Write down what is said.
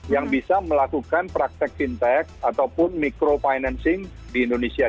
yang bisa melakukan praktek fintech ataupun mikrofinancing di indonesia